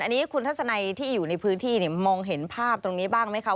อันนี้คุณทัศนัยที่อยู่ในพื้นที่มองเห็นภาพตรงนี้บ้างไหมคะ